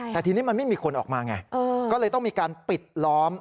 แต่ทีนี้มันไม่มีคนออกมาไงก็เลยต้องมีการปิดล้อม